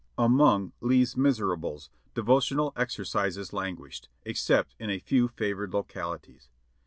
Among ''Lee's Miserables" devotional exercises lang\iished, ex cept in a few favored localities.